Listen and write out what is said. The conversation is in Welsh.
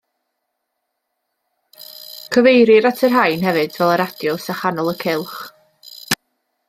Cyfeirir at y rhain hefyd fel y radiws a chanol y cylch.